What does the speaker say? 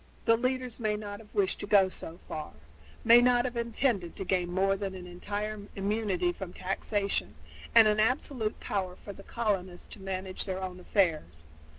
The leaders may not have wished to go so far may not have intended to gain more than an entire immunity from taxation and an absolute power for the colonists to manage their own affairs.